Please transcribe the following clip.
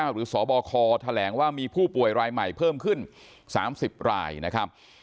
สบคแถลงว่ามีผู้ป่วยรายใหม่เพิ่มขึ้น๓๐รายนะครับ